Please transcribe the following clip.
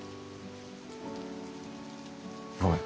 ごめん。